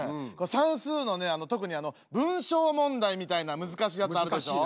算数の特にあの文章問題みたいな難しいやつあるでしょ？